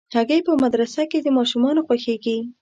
هګۍ په مدرسه کې د ماشومانو خوښېږي.